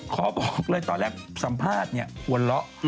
ขอบอกเลยตอนแรกสัมภาษณ์เนี่ยหัวเราะ